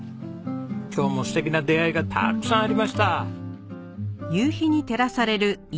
今日も素敵な出会いがたくさんありました。